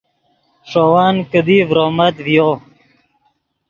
ݰے ون کیدی ڤرومت ڤیو